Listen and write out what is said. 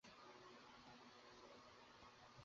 তিনি শিক্ষাবিদ হিসাবে বহু অবদান রেখে গেছেন।